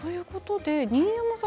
新山さん